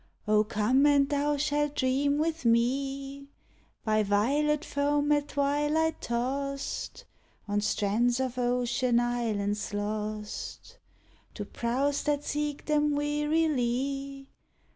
Oh, come! and thou shall dream with me By violet foam at twilight tost On strands of ocean islets lost I'o prows that seek them wearily.